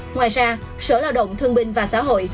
ngoài ra sở lao động thương binh và xã hội